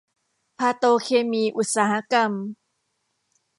พาโตเคมีอุตสาหกรรม